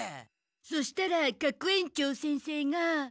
そしたら学園長先生が。